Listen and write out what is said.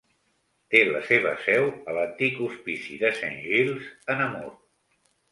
Té la seva seu a l'antic hospici de Saint-Gilles, a Namur.